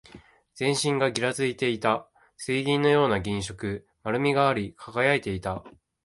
全身がぎらついていた。水銀のような銀色。丸みがあり、輝いていた。